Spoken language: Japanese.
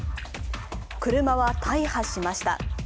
車は大破しました。